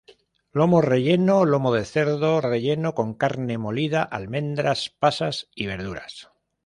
Lomo relleno: lomo de cerdo, relleno con carne molida, almendras, pasas y verduras.